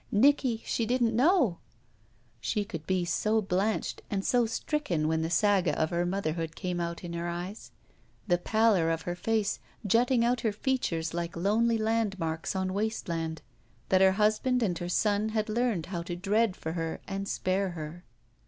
Nicky — she didn't know —" She could be so blanched and so stricken when the saga of her motherhood came out in her eyes, the pallor of her face jutting out her features like lonely landmarks on waste land, that her husband and her son had learned how to dread for her and spare her.